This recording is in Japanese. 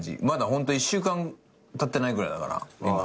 まだ１週間たってないぐらいだから。